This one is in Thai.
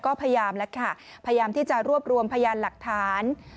ก็พยายามแล้วค่ะพยายามที่จะรวบรวมพยานหลักฐาน